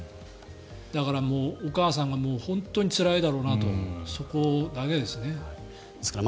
だからもう、お母さんが本当につらいだろうなとそこだけですね。